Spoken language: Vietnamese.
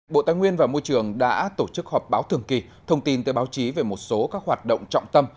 bộ tài nguyên và môi trường đã tổ chức họp báo thường kỳ thông tin tới báo chí về một số các hoạt động trọng tâm